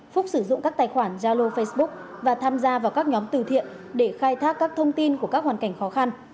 phúc sử dụng các tài khoản zalo facebook và tham gia vào các nhóm từ thiện để khai thác các thông tin của các hoàn cảnh khó khăn